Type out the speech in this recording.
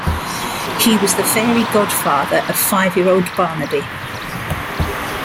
He was the fairy godfather of five-year-old Barnaby.